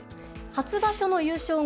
初場所の優勝後